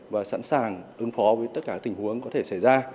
và sẵn sàng ứng phó với tất cả tình huống có thể xảy ra